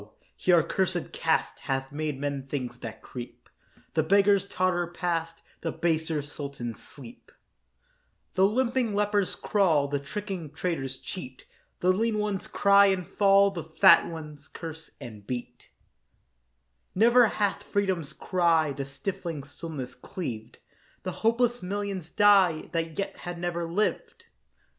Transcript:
here accursèd caste Hath made men things that creep; The beggars totter past, The baser sultans sleep; The limping lepers crawl, The tricking traders cheat; The lean ones cry and fall, The fat ones curse and beat; Never hath freedom's cry The stifling stillness cleaved; The hopeless millions die That yet have never lived.